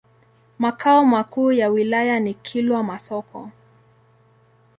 Makao makuu ya wilaya ni Kilwa Masoko.